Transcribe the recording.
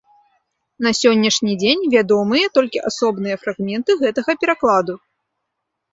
На сённяшні дзень вядомыя толькі асобныя фрагменты гэтага перакладу.